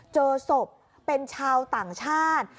เจอศพเป็นชาวต่างชาติ